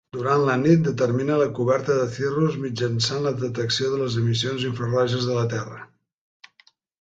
Durant la nit, determina la coberta de cirrus mitjançant la detecció de les emissions infraroges de la Terra.